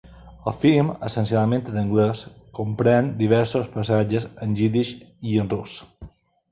El film, essencialment en anglès, comprèn diversos passatges en jiddisch i en rus.